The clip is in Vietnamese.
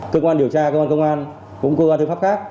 cơ quan điều tra cơ quan công an cũng cơ quan tư pháp khác